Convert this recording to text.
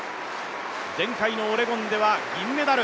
前回のオレゴンでは銀メダル。